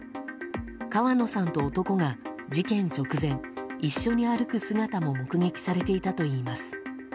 川野さんと男が事件直前一緒に歩く姿も目撃されていたといいます。